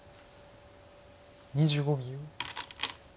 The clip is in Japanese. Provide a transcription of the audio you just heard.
２５秒。